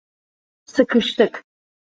Sıkıştık!